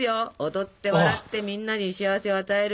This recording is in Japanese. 踊って笑ってみんなに幸せを与える。